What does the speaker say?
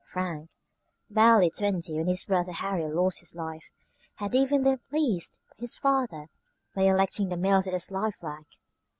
Frank, barely twenty when his brother Harry lost his life, had even then pleased his father by electing the mills as his life work.